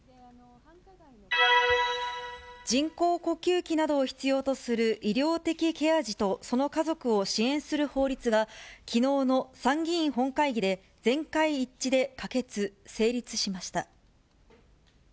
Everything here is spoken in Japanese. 人工呼吸器などを必要とする医療的ケア児とその家族を支援する法律が、きのうの参議院本会議で全会一致で可決・成立しました。